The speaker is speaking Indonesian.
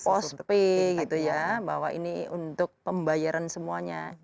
post pay gitu ya bahwa ini untuk pembayaran semuanya